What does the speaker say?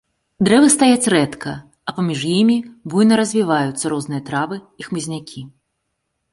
Дрэвы стаяць рэдка, а паміж імі буйна развіваюцца розныя травы і хмызнякі.